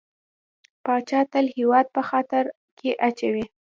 پاچا تل هيواد په خطر کې اچوي .